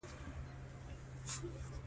اقتصادي ضربه مې وليده.